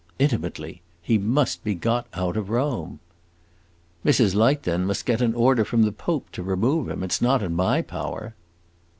"Intimately. He must be got out of Rome." "Mrs. Light, then, must get an order from the Pope to remove him. It 's not in my power."